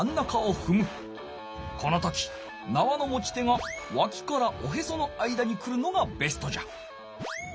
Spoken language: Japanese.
この時なわの持ち手がわきからおへその間に来るのがベストじゃ。